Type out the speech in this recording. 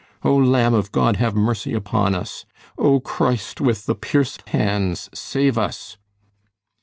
O, Lamb of God, have mercy upon us! O, Christ, with the pierced hands, save us!"